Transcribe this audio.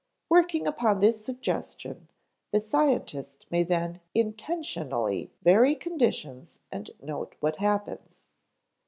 Working upon this suggestion, the scientist may then intentionally vary conditions and note what happens.